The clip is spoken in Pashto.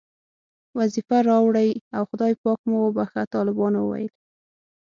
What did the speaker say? وظیفه راوړئ او خدای پاک مو وبښه، طالبانو وویل.